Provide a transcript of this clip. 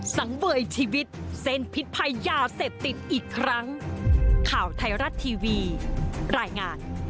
สังเวยชีวิตเส้นพิษภัยยาเสพติดอีกครั้ง